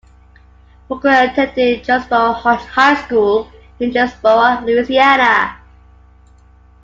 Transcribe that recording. Booker attended Jonesboro-Hodge High School in Jonesboro, Louisiana.